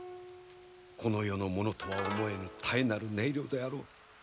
この世のものとは思えぬたえなる音色であろう。